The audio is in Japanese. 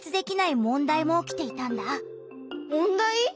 問題？